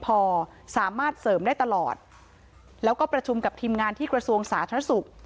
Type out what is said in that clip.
พอสามารถเสริมได้ตลอดแล้วก็ประชุมกับทีมงานที่กระทรวงสาธารณสุข